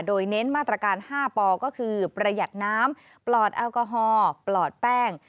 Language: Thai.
โดยเน้นมาตรการ๕ปอก็คือประหยัดน้ำปลอดแอลกอฮอล์ปลอดแป้ง